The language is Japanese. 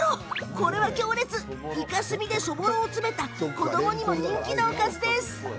これは強烈イカ墨でそぼろを詰めた子どもにも人気のおかずなんです。